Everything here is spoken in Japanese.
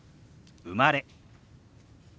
「生まれ」。